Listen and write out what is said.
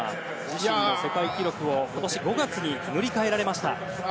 自身の世界記録を今年５月に塗り替えられました。